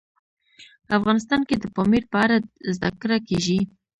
افغانستان کې د پامیر په اړه زده کړه کېږي.